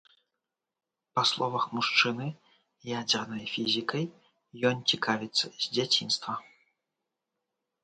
Па словах мужчыны, ядзернай фізікай ён цікавіцца з дзяцінства.